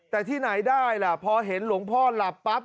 แต่ที่ไหนได้ล่ะพอเห็นหลวงพ่อหลับปั๊บ